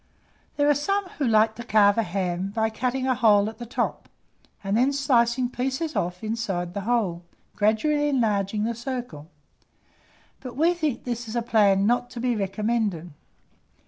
There are some who like to carve a ham by cutting a hole at the top, and then slicing pieces off inside the hole, gradually enlarging the circle; but we think this a plan not to be recommended.